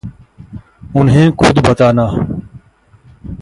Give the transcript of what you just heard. उन्हें ख़ुद बताना।